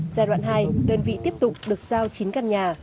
giai đoạn hai đơn vị tiếp tục được giao chín căn nhà